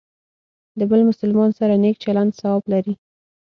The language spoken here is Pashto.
د بل مسلمان سره نیک چلند ثواب لري.